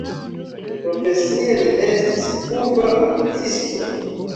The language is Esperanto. Profesie li estis urba oficisto.